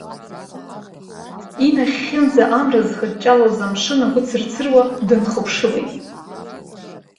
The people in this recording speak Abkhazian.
Инахьхьинӡа, амра зхыҷҷалоз амшын агәы цырцыруа дынхыԥшылеит.